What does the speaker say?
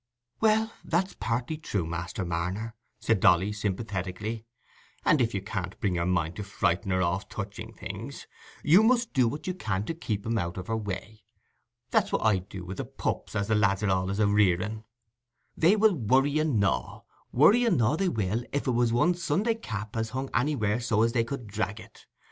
"Well, that's partly true, Master Marner," said Dolly, sympathetically; "and if you can't bring your mind to frighten her off touching things, you must do what you can to keep 'em out of her way. That's what I do wi' the pups as the lads are allays a rearing. They will worry and gnaw—worry and gnaw they will, if it was one's Sunday cap as hung anywhere so as they could drag it.